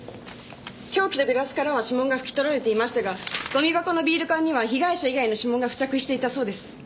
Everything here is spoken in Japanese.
凶器とグラスからは指紋が拭き取られていましたがゴミ箱のビール缶には被害者以外の指紋が付着していたそうです。